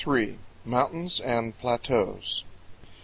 MOUNTAINS AND PLATEAUS.